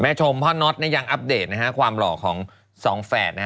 แม่ชมพ่อน็อตย์ยังอัปเดตความหล่อของ๒แฝด